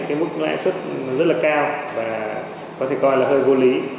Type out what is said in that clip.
cái mức lãi suất rất là cao và có thể coi là hơi vô lý